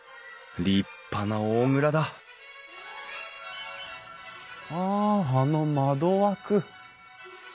立派な大蔵だああの窓枠。